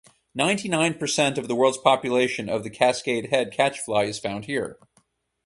Ninety-nine percent of the world's population of the Cascade Head catchfly is found here.